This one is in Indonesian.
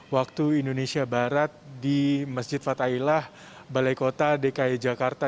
waktu indonesia barat di masjid fatailah balai kota dki jakarta